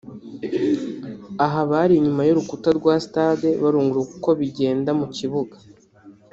aha bari inyuma y’urukuta rwa stade barunguruka uko bigenda mu kibuga